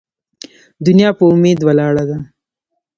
ـ دنيا په اميد ولاړه ده.